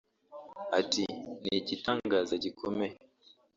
Ati“Ni igitangaza gikomeye